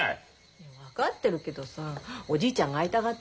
分かってるけどさおじいちゃんが会いたがってんの。